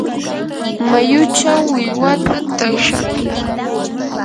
mayuchaw millwata takshakuy.